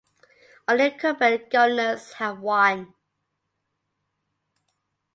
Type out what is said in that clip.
All incumbent governors have won.